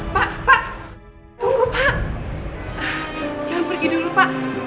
pak pak tunggu pak jangan pergi dulu pak